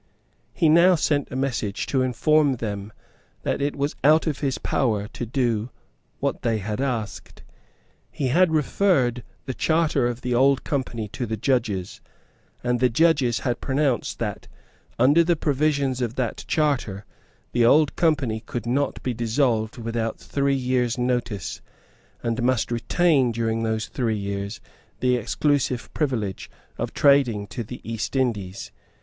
He now sent a message to inform them that it was out of his power to do what they had asked. He had referred the charter of the old Company to the Judges, and the judges had pronounced that, under the provisions of that charter, the old Company could not be dissolved without three years' notice, and must retain during those three years the exclusive privilege of trading to the East Indies.